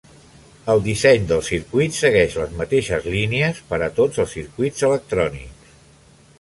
El disseny del circuit segueix les mateixes línies per a tots els circuits electrònics.